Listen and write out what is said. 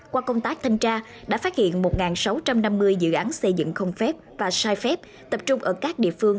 qua công tác thanh tra đã phát hiện một sáu trăm năm mươi dự án xây dựng không phép và sai phép tập trung ở các địa phương